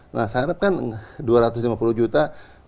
nah saya harapkan dua ratus lima puluh juta